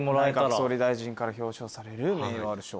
内閣総理大臣から表彰される名誉ある賞。